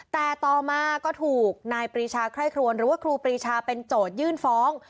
แต่ต่อมาก็ถูกนายปรีชาไคร่ครวนหรือว่าครูปรีชาเป็นโจทยื่นฟ้อง